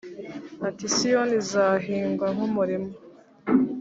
ati siyoni izahingwa nk’ umurima